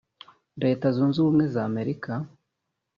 Leta Zunze Ubumwe z’America